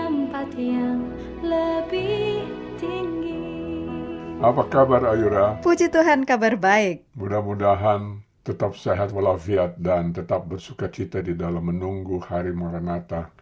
mudah mudahan tetap sehat walafiat dan tetap bersuka cita di dalam menunggu hari maranatha